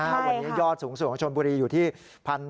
วันนี้ยอดสูงสุดของชนบุรีอยู่ที่